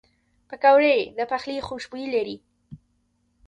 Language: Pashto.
پکورې د پخلي خوشبویي لري